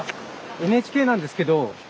ＮＨＫなんですけど。